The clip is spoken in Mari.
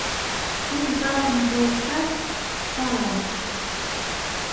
Кум залпым пуыштат, шаланышт...